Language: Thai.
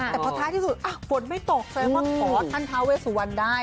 แต่พอท้ายที่สุดฝนไม่ตกแสดงว่าขอท่านท้าเวสุวรรณได้